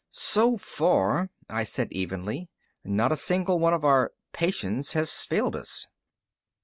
"So far," I said evenly, "not a single one of our 'patients' has failed us."